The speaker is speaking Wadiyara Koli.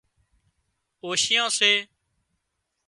اوشيئان سي